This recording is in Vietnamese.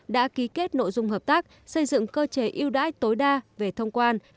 đã ký kết nội dung hợp tác xây dựng cơ chế yêu đáy tối đa về thông quan